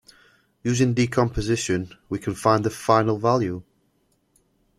Using decomposition we can find the final value.